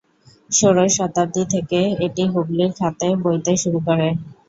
ষোড়শ শতাব্দী থেকে এটি হুগলির খাতে বইতে শুরু করে।